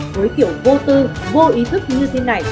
với kiểu vô tư vô ý thức như thế này